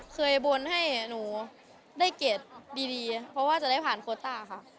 เคยบนให้หนูได้เกรดดีเพราะว่าจะได้ผ่านโคต้าค่ะ